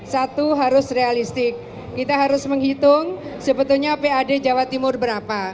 satu harus realistik kita harus menghitung sebetulnya pad jawa timur berapa